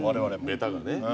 ベタがね。